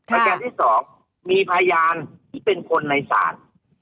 อาทิตย์๒มีพยานที่เป็นคนในศาล